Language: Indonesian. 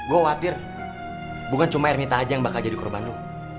gue khawatir bukan cuma ernita aja yang bakal jadi korban lu